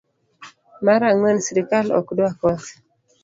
mar ang'wen srikal ok dwa koth